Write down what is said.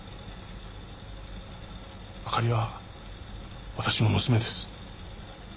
あかりは私の娘です。